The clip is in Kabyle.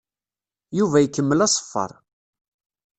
Yuba ikemmel aṣeffer.